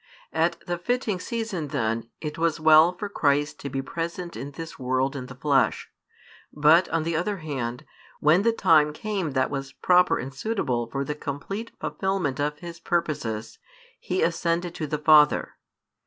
At the fitting season, then, it was well for Christ to be present in this world in the flesh: but, on the other hand, when the time came that was proper and suitable for the complete fulfilment of His purposes, He ascended to the Father.